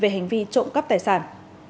về hành vi trộm cắp tài sản